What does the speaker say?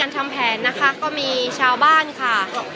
ทำแผนนะคะก็มีชาวบ้านค่ะ